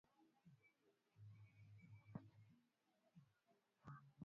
Miye lwangu binani pitia